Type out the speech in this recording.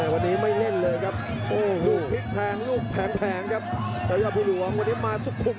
วันนี้ไม่เล่นเลยครับโอ้โหดูพลิกแพงครับเยอะพี่รวมวันนี้มาสุขุมครับ